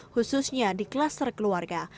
khususnya di kluster keluarga